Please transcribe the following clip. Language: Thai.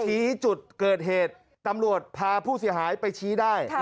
ชี้จุดเกิดเหตุตำรวจพาผู้เสียหายไปชี้ได้